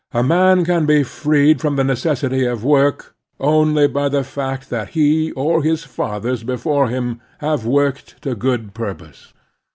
A man can be freed from the necessity of work only by the fact that he or his fathers before him have worked to good purpose.